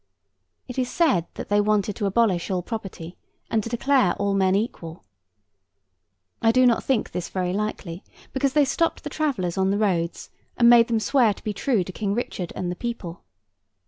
It is said that they wanted to abolish all property, and to declare all men equal. I do not think this very likely; because they stopped the travellers on the roads and made them swear to be true to King Richard and the people.